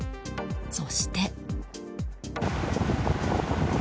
そして。